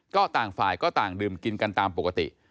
ก็ต่างฝ่ายก็ต่างดื่มกินกันตามปกติ